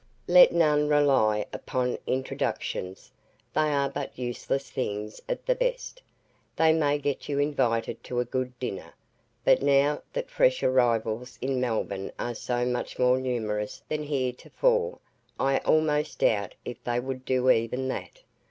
Let none rely upon introductions they are but useless things at the best they may get you invited to a good dinner; but now that fresh arrivals in Melbourne are so much more numerous than heretofore, I almost doubt if they would do even that.